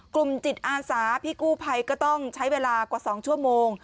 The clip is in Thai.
กลุ่มจิตอาสาพี่กู้ภัยก็ต้องใช้เวลากว่า๒ชั่วโมง